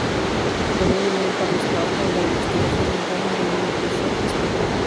Donó dinero para los trabajos de investigación dental en el Middlesex Hospital.